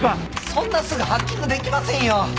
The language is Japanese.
そんなすぐハッキングできませんよ。